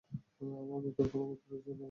আমার গোত্র কোন ছোট গোত্র নয়।